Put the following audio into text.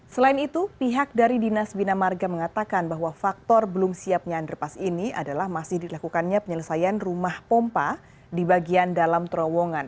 selain itu pihak dari dinas bina marga mengatakan bahwa faktor belum siapnya underpass ini adalah masih dilakukannya penyelesaian rumah pompa di bagian dalam terowongan